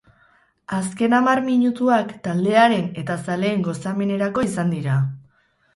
Azken hamar minutuak taldearen eta zaleen gozamenerako izan dira.